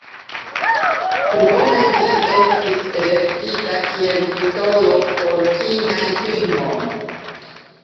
Krome ĝi estis elektita kiel titolo por kinaj filmoj.